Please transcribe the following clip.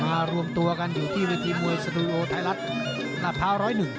รวมตัวกันอยู่ที่เวทีมวยสตูโอไทยรัฐพร้าว๑๐๑